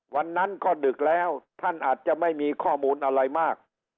วันนั้นก็ดึกแล้วท่านอาจจะไม่มีข้อมูลอะไรมาก